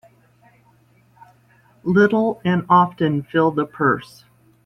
Little and often fill the purse.